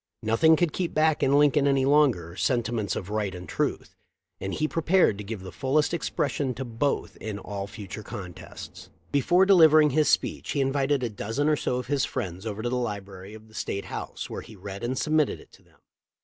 Nothing could keep back in Lincoln any longer, sentiments of right and truth, and he prepared to give the fullest expression to both in all future contests. Before delivering his speech he invited a dozen or so of his friends over to the library of the State House, where he read and submitted it to them.